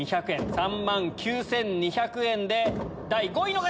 ３万９２００円で第５位の方！